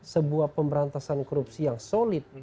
sebuah pemberantasan korupsi yang solid